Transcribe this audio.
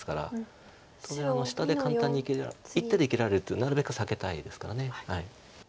下で簡単に一手で生きられるってなるべく避けたいですから。